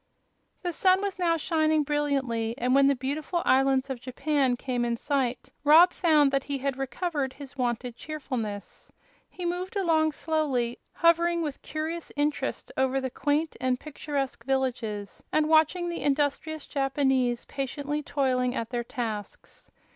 The sun was now shining brilliantly, and when the beautiful islands of Japan came in sight Rob found that he had recovered his wonted cheerfulness. He moved along slowly, hovering with curious interest over the quaint and picturesque villages and watching the industrious Japanese patiently toiling at their tasks.